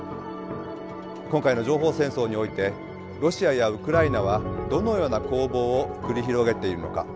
今回の情報戦争においてロシアやウクライナはどのような攻防を繰り広げているのか。